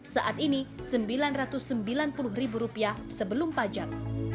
saat ini rp sembilan ratus sembilan puluh sebelum pajak